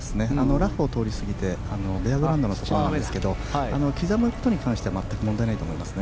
ラフを通り過ぎてベアグラウンドのところですが刻むことに関しては全く問題ないと思います。